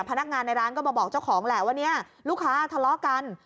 พนักงานในร้านก็มาบอกเจ้าของแหละว่าเนี่ยลูกค้าทะเลาะกัน